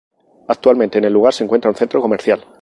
Actualmente en el lugar se encuentra un centro comercial.